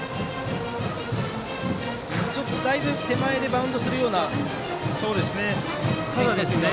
だいぶ手前でバウンドするような球でしたね。